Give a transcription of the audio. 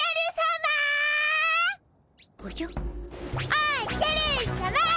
おっじゃるっさま！